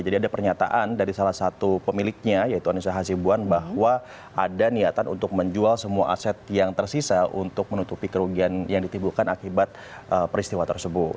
jadi ada pernyataan dari salah satu pemiliknya yaitu anissa hasibuan bahwa ada niatan untuk menjual semua aset yang tersisa untuk menutupi kerugian yang ditimbulkan akibat peristiwa tersebut